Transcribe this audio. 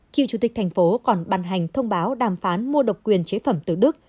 cựu chủ tịch thành phố còn ban hành thông báo đàm phán mua độc quyền chế phẩm từ đức